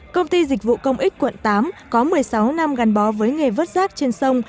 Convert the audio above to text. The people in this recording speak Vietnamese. công ty dịch vụ công ích quận tám có một mươi sáu năm gắn bó với nghề vớt rác trên sông